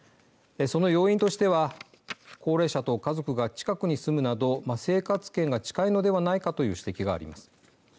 その要因としては高齢者と家族が近くに住むなど生活圏が近いのではないかという指摘があります。